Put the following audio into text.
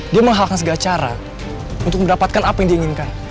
dia menghalang segala cara untuk mendapatkan apa yang dia inginkan